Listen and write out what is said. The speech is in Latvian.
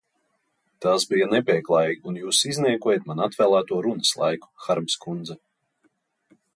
Tas bija nepieklājīgi, un jūs izniekojat man atvēlēto runas laiku, Harms kundze.